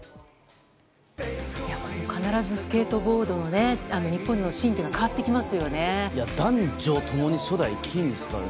必ずスケートボードの日本のシーンが男女共に初代金ですから。